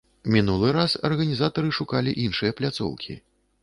Мінулы раз арганізатары шукалі іншыя пляцоўкі.